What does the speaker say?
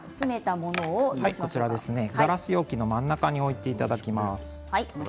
ガラス容器の真ん中に置いていただきます。